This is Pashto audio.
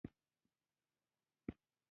زراعت د افغانستان یو لوی طبعي ثروت دی.